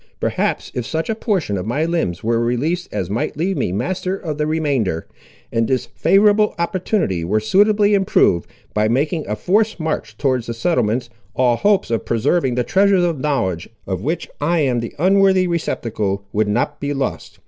Perhaps if such a portion of my limbs were released as might leave me master of the remainder, and this favourable opportunity were suitably improved, by making a forced march towards the settlements, all hopes of preserving the treasures of knowledge, of which I am the unworthy receptacle, would not be lost.